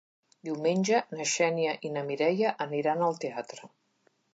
Diumenge na Xènia i na Mireia aniran al teatre.